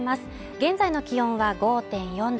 現在の気温は５．４度